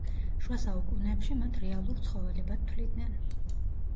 შუა საუკუნეებში მათ რეალურ ცხოველებად თვლიდნენ.